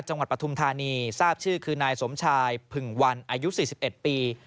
ปฐุมธานีทราบชื่อคือนายสมชายผึ่งวันอายุ๔๑ปี